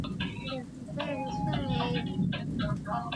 hadithi ya uwongo ilithibitika kuwa ya kinabii